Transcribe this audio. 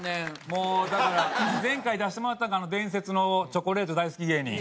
もうだから前回出してもらったのがあの伝説のチョコレート大好き芸人。